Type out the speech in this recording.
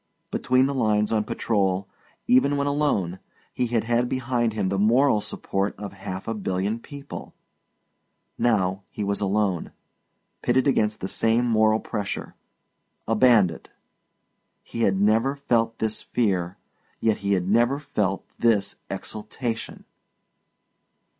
Between the lines on patrol, even when alone, he had had behind him the moral support of half a billion people; now he was alone, pitted against that same moral pressure a bandit. He had never felt this fear, yet he had never felt this exultation.